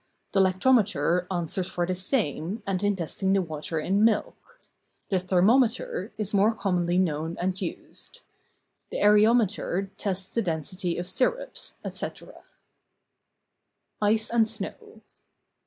The Lactometer answers for the same, and in testing the water in milk. The Thermom¬ eter is more commonly known and used. The Areom¬ eter tests the density of syrups, etc. ice and snow.